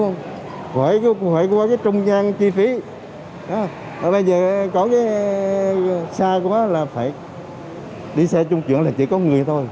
nếu xa quá là phải đi xe chung chuyển là chỉ có người thôi